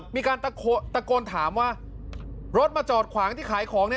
มีการตะโกนถามว่ารถมาจอดขวางที่ขายของ